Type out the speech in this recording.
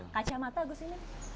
kacamata gus imin